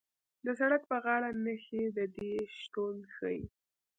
د سړک په غاړه نښې د دې شتون ښیي